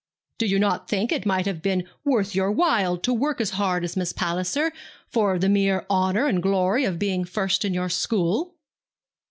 'Do you not think it might have been worth your while to work as hard as Miss Palliser, for the mere honour and glory of being first in your school?'